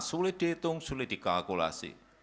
sulit dihitung sulit dikalkulasi